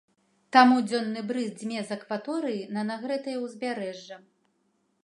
Таму дзённы брыз дзьме з акваторыі на нагрэтае ўзбярэжжа.